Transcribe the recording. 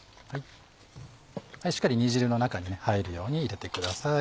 しっかり煮汁の中に入るように入れてください。